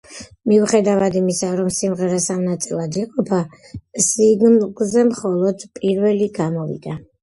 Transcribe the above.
მიუხედავად იმისა, რომ სიმღერა სამ ნაწილად იყოფა, სინგლზე მხოლოდ პირველი გამოვიდა.